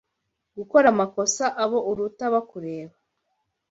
Gukora amakosa abo uruta bakureba